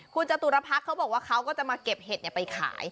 คุณจตุรพักษ์เขาบอกว่าเขาก็จะมาเก็บเห็ดไปขาย